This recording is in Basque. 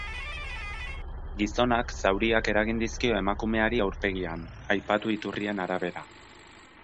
Gizonak zauriak eragin dizkio emakumeari aurpegian, aipatu iturrien arabera.